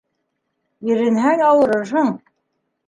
Иренһәң ауырырһың